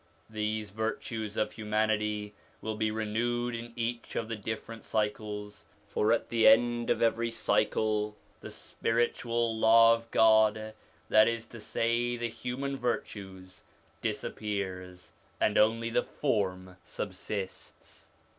These virtues of humanity will be renewed in each of the different cycles ; for at the end of every cycle the spiritual Law of God, that is to say the human virtues, disappears, and only the form subsists.